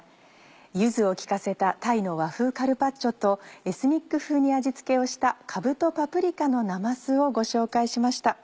柚子を利かせた「鯛の和風カルパッチョ」とエスニック風に味付けをしたかぶとパプリカのなますをご紹介しました。